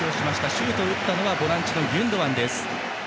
シュートを打ったのはボランチのギュンドアンです。